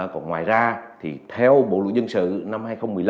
còn ngoài ra thì theo bộ luật dân sự năm hai nghìn một mươi năm